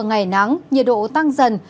ngày nắng nhiệt độ tăng dần